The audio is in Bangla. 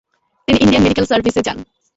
তিনি ইণ্ডিয়ান মেডিক্যাল সারভিসে যান।